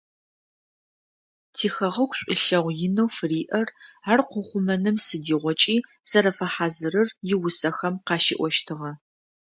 Тихэгъэгу шӏулъэгъу инэу фыриӏэр, ар къыухъумэным сыдигъокӏи зэрэфэхьазырыр иусэхэм къащиӏощтыгъэ.